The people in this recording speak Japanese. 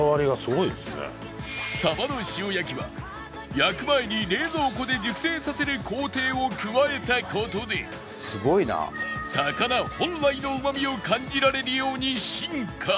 さばの塩焼は焼く前に冷蔵庫で熟成させる工程を加えた事で魚本来のうまみを感じられるように進化